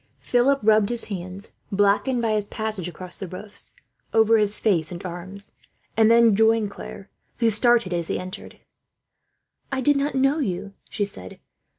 Philip rubbed his hands, blackened by his passage across the roofs, over his face and arms; and then joined Claire, who started, as he entered. "I did not know you," she said.